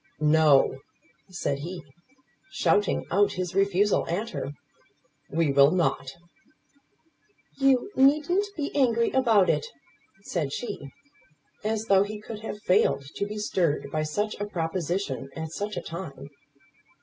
"No!" said he, shouting out his refusal at her. "We will not." "You needn't be angry about it," said she; as though he could have failed to be stirred by such a proposition at such a time.